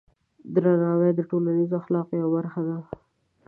درناوی د ټولنیز اخلاقو یوه برخه ده.